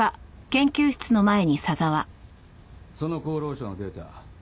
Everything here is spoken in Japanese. その厚労省のデータ